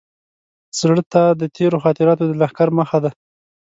زړه ته د تېرو خاطراتو د لښکر مخه ده.